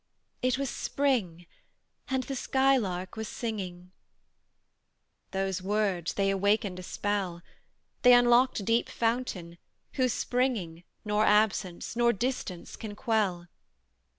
"It was spring, and the skylark was singing:" Those words they awakened a spell; They unlocked a deep fountain, whose springing, Nor absence, nor distance can quell.